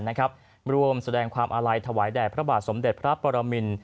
ร่วมแสดงความอาลัยถวายแด่พระบาทสมเด็จพระปรมิน